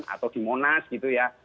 atau di monas gitu ya